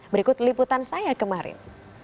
berikut liputan saya kemarin